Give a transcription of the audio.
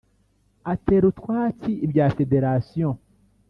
atera utwatsi ibya Federation